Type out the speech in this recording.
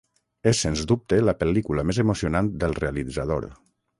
És sens dubte la pel·lícula més emocionant del realitzador.